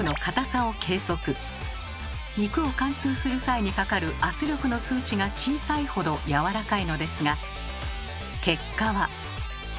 肉を貫通する際にかかる圧力の数値が小さいほどやわらかいのですが結果は。